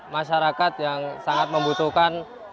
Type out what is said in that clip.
masyarakat yang sangat membutuhkan